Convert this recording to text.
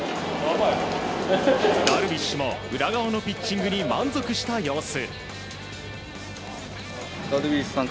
ダルビッシュも宇田川のピッチングに満足した様子。